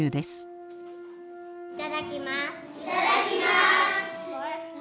いただきます。